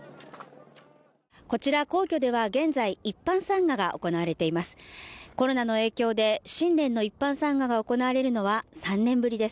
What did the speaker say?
こちら皇居では現在一般参賀が行われています